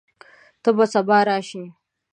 ته به سبا راشې؟